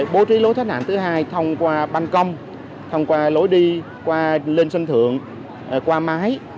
bố trí lối thoát nạn thứ hai thông qua băng công thông qua lối đi qua lên sân thượng qua máy